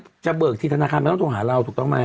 ป่านีจะเบิกที่ธนาคารไม่ต้องหาเราถูกต้องมั้ย